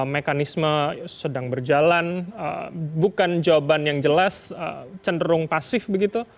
mekanisme sedang berjalan bukan jawaban yang jelas cenderung pasif begitu